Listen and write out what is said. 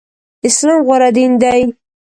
اسلام غوره دين دی.